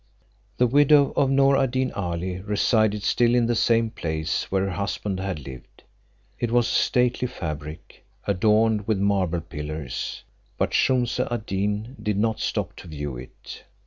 The widow of Noor ad Deen Ali resided still in the same place where her husband had lived. It was a stately fabric, adorned with marble pillars: but Shumse ad Deen did not stop to view it.